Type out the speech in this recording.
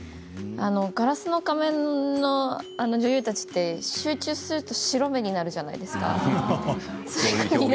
「ガラスの仮面」の女優たちって集中すると白目になるじゃないですか。